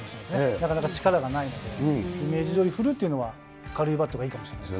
なかなか力がないので、イメージどおり振るというのは軽いバットがいいかもしれないです